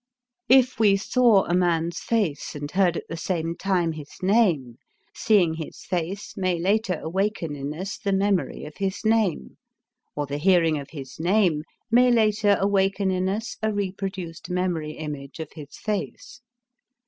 If we saw a man's face and heard at the same time his name, seeing his face may later awaken in us the memory of his name, or the hearing of his name may later awaken in us a reproduced memory image of his face.